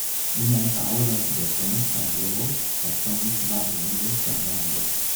Mian parolon de honesta viro, respondis malhumile Fernando.